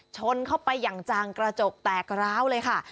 ชนเข้าไปอย่างจังกระจกแตกร้าวเลยค่ะ